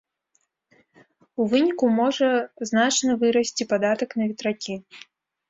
У выніку можа значна вырасці падатак на ветракі.